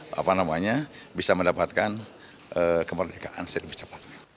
mereka semangat ya mereka apa namanya bisa mendapatkan kemerdekaan lebih cepat